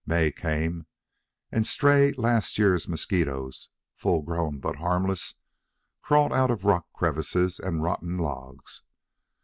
May came, and stray last year's mosquitoes, full grown but harmless, crawled out of rock crevices and rotten logs.